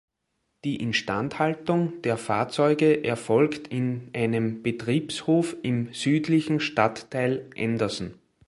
Die Instandhaltung der Fahrzeuge erfolgt in einem Betriebshof im südlichen Stadtteil Anderson.